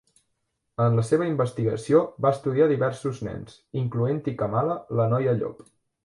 En la seva investigació va estudiar diversos nens, incloent-hi Kamala, la noia llop.